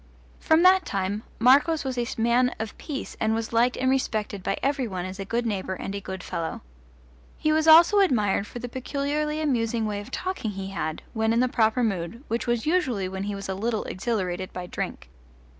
From that time Marcos was a man of peace and was liked and respected by every one as a good neighbour and a good fellow. He was also admired for the peculiarly amusing way of talking he had, when in the proper mood, which was usually when he was a little exhilarated by drink.